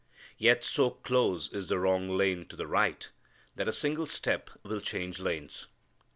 Yet so close is the wrong lane to the right that a single step will change lanes.